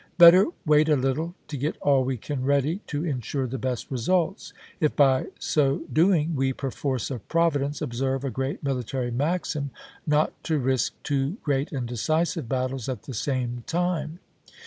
Better wait a little to get all we can ready to in sure the best results, if by so doing we, per force of Providence, observe a great military maxim, not to risk two great and decisive battles at the same time.